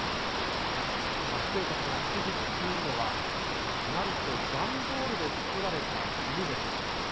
学生たちが引きずっているのは、なんと段ボールで作られた犬です。